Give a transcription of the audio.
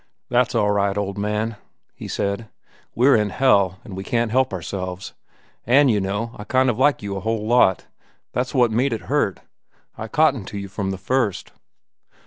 "That's all right, old man," he said. "We're in hell, an' we can't help ourselves. An', you know, I kind of like you a whole lot. That's what made it—hurt. I cottoned to you from the first."